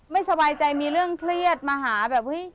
ไม่สบายใจมีเรื่องเครียดมาหาแบบเฮ้ย